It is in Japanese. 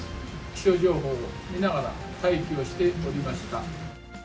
気象情報を見ながら、待機をしておりました。